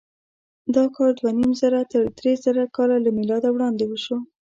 دا کار دوهنیمزره تر درېزره کاله له مېلاده وړاندې وشو.